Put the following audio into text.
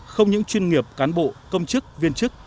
không những chuyên nghiệp cán bộ công chức viên chức